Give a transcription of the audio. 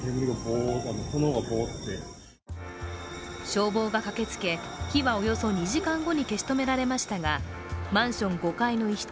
消防が駆けつけ、火はおよそ２時間後に消し止められましたが、マンション５階の一室